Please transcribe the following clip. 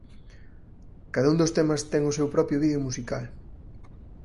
Cada un dos temas ten o seu propio vídeo musical.